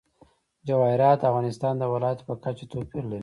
جواهرات د افغانستان د ولایاتو په کچه توپیر لري.